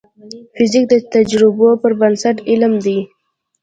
فزیک د تجربو پر بنسټ علم دی.